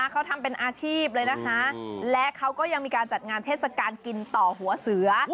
เขาทำเป็นอาชีพเลยนะคะและเขาก็ยังมีการจัดงานเทศกาลกินต่อหัวเสือ